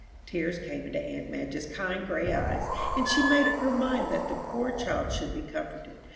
Tears came into aunt Madge's kind gray eyes, and she made up her mind that the poor child should be comforted.